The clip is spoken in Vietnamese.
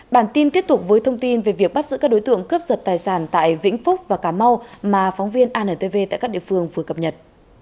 bản tin tiếp tục với thông tin về việc bắt giữ các đối tượng cướp giật tài sản tại vĩnh phúc và cà mau mà phóng viên antv tại các địa phương vừa cập nhật